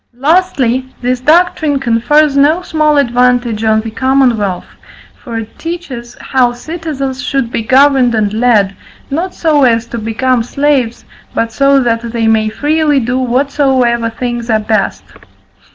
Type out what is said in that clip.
Lastly, this doctrine confers no small advantage on the commonwealth; for it teaches how citizens should be governed and led, not so as to become slaves, but so that they may freely do whatsoever things are best.